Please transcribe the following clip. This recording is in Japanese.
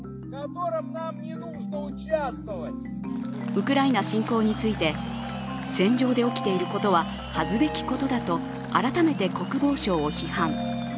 ウクライナ侵攻について戦場で起きていることは恥ずべきことだと改めて国防省を批判。